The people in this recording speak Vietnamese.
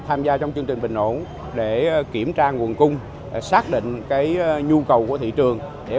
tham gia trong chương trình bình ổn để kiểm tra nguồn cung xác định nhu cầu của thị trường